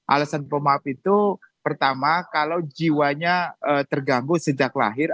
alasan pemaaf itu pertama kalau jiwanya terganggu sejak lahir